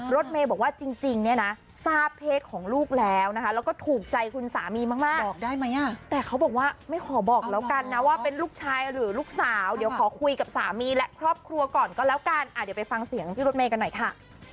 รถเมย์บอกว่าจริงเนี่ยนะทราบเพศของลูกแล้วนะคะแล้วก็ถูกใจคุณสามีมากบอกได้ไหมแต่เขาบอกว่าไม่ขอบอกแล้วกันนะว่าเป็นลูกชายหรือลูกสาวเดี๋ยวขอคุยกับสามีและครอบครัวก่อนก็แล้วกันเดี๋ยวไปฟังเสียงพี่รถเมย์กันหน่อยค่ะ